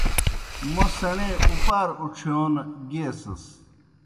موْ سیْݨے اُپار اُڇِھیون گِیئسِس۔